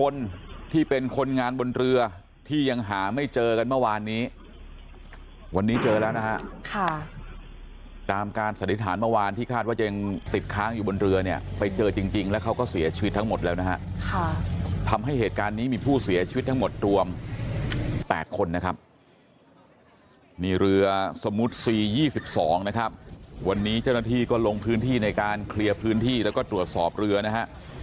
นี่เรือสมุทรสี่ยี่สิบสองนะครับวันนี้เจ้าหน้าที่ก็ลงพื้นที่ในการเคลียร์พื้นที่แล้วก็ตรวจสอบเรือนะฮะ